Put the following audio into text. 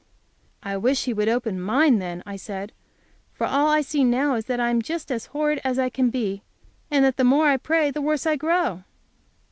"I wish He would open mine, then," I said, "for all I see now is that I am just as horrid as I can be, and that the more I pray the worse I grow."